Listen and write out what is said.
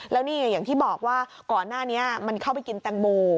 แล้วนี่อย่างที่บอกว่าก่อนหน้านี้มันเข้าไปกินแตงโม